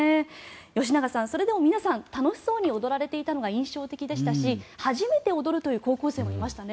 吉永さん、それでも皆さん楽しそうに踊られていたのが印象的でしたし初めて踊るという高校生もいましたね。